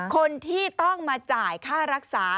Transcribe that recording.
คนที่ต้องมาจ่ายค่ารักษา